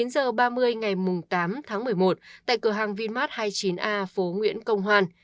một mươi chín giờ ba mươi ngày tám tháng một mươi một tại cửa hàng vinmart hai mươi chín a phố nguyễn công hoan